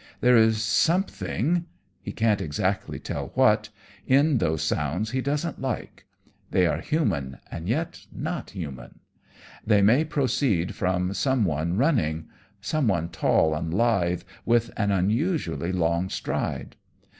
There is something he can't exactly tell what in those sounds he doesn't like; they are human, and yet not human; they may proceed from some one running some one tall and lithe, with an unusually long stride.